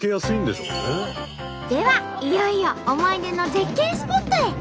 ではいよいよ思い出の絶景スポットへ。